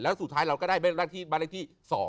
แล้วสุดท้ายเราก็ได้บ้านเลขที่๒